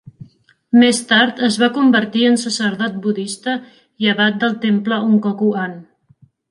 Més tard, es va convertir en sacerdot budista i abat del temple Unkoku-an.